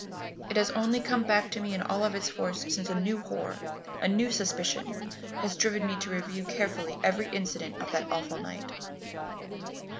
It has only come back to me in all its force since a new horror, a new suspicion, has driven me to review carefully every incident of that awful night.